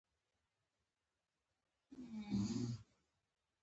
انګلیسي د نړیوال ادب ژبه ده